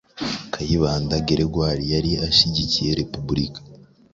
Kayibanda Grégoire yari ashyigikiye Repubulika,